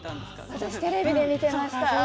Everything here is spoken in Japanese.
私、テレビで見ていました。